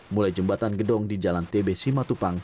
mulai jembatan gedong di jalan tb simatupang